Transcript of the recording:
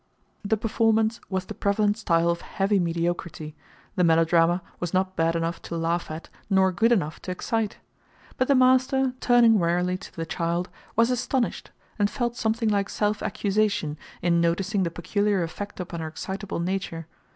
The performance was the prevalent style of heavy mediocrity; the melodrama was not bad enough to laugh at nor good enough to excite. But the master, turning wearily to the child, was astonished and felt something like self accusation in noticing the peculiar effect upon her excitable nature.